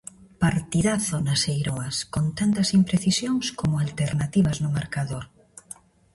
Partidazo nas Eiroas, con tantas imprecisións como alternativas no marcador.